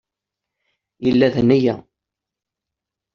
Yella d nneyya.